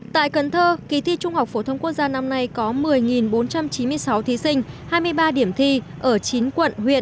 tại cần thơ kỳ thi trung học phổ thông quốc gia năm nay có một mươi bốn trăm chín mươi sáu thí sinh hai mươi ba điểm thi ở chín quận huyện